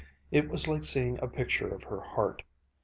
It was like seeing a picture of her heart.